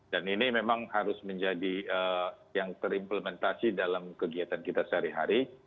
dan ini memang harus menjadi yang terimplementasi dalam kegiatan kita sehari hari